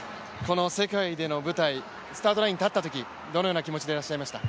世界での舞台、スタートラインに立ったときどのような気持ちでいらっしゃいました？